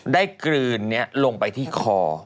ได้กลืนลงไปที่คอ